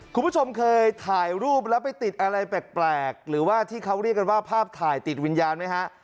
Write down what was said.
คุณผู้ชมเคยถ่ายรูปแล้วไปติดอะไรแปลกหรือว่าที่เขาเรียกกันว่าภาพถ่ายติดวิญญาณไหมฮะ